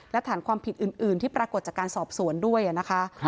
และฐานความผิดอื่นที่ปรากฏจากการสอบสวนด้วยนะคะ